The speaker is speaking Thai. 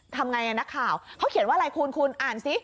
ทำไงนักข่าวเขาเขียนว่าอะไรคุณคุณอ่านซิ